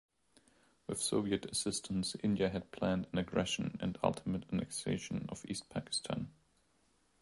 With Soviet assistance India had planned an aggression and ultimate annexation of East Pakistan.